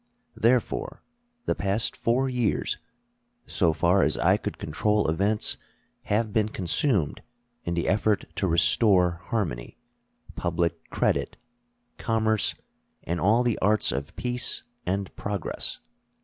Therefore the past four years, so far as I could control events, have been consumed in the effort to restore harmony, public credit, commerce, and all the arts of peace and progress.